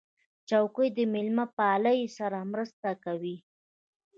چوکۍ له میلمهپالۍ سره مرسته کوي.